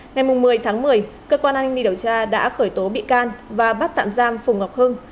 ngày một mươi tháng một mươi cơ quan an ninh điều tra đã khởi tố bị can và bắt tạm giam phùng ngọc hưng